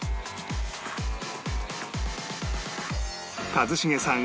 一茂さん